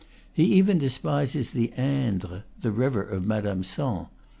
He even despises the Indre, the river of Madame Sand.